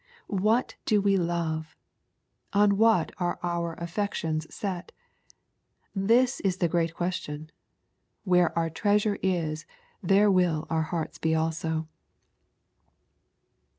What do we love ? On what are our affections set ? This is the great question. " Where our treasure is there will our hearts be also."